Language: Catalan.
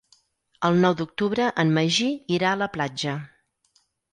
El nou d'octubre en Magí irà a la platja.